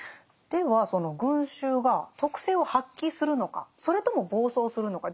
ではその群衆が徳性を発揮するのかそれとも暴走するのか。